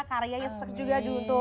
karyanya susah juga duto